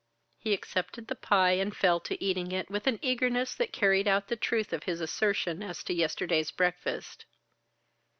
He accepted the pie and fell to eating it with an eagerness that carried out the truth of his assertion as to yesterday's breakfast.